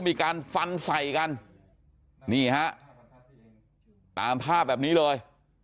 มีการฟันใส่กันนี่ฮะตามภาพแบบนี้เลย